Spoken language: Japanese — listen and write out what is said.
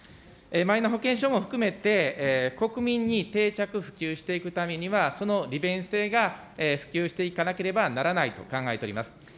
マイナ保険証も含めて、国民に定着、普及していくためには、その利便性が普及していかなければならないと考えております。